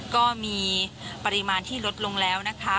ก็มีปริมาณที่ลดลงแล้วนะคะ